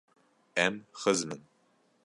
Em xizm in.